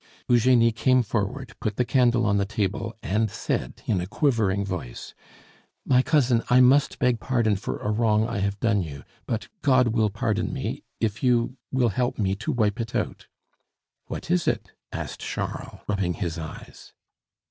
Eugenie came forward, put the candle on the table, and said in a quivering voice: "My cousin, I must beg pardon for a wrong I have done you; but God will pardon me if you will help me to wipe it out." "What is it?" asked Charles, rubbing his eyes.